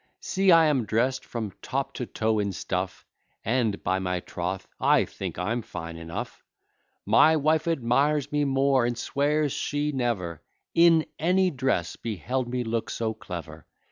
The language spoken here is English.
See I am dress'd from top to toe in stuff, And, by my troth, I think I'm fine enough; My wife admires me more, and swears she never, In any dress, beheld me look so clever.